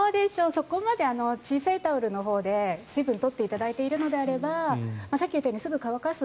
そこまで、小さいタオルのほうで水分を取っていただいてるのであればさっき言ったようにすぐ乾かす。